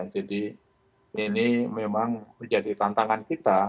ini memang menjadi tantangan kita